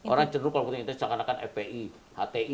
orang cenderung kalau politik identitas cakar cakar fpi hti